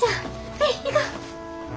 はい行こ。